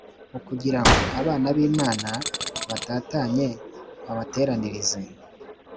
ukugira ngo abana b Imana batatanye abateranirize